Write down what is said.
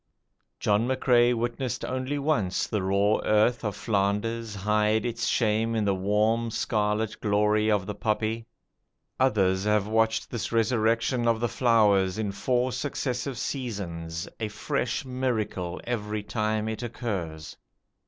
John McCrae witnessed only once the raw earth of Flanders hide its shame in the warm scarlet glory of the poppy. Others have watched this resurrection of the flowers in four successive seasons, a fresh miracle every time it occurs.